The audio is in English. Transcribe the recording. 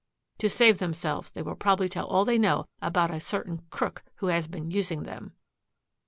To save themselves, they will probably tell all they know about a certain crook who has been using them."